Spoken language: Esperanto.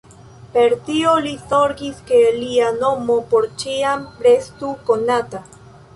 Per tio li zorgis ke lia nomo por ĉiam restu konata.